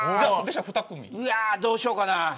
どうしようかな。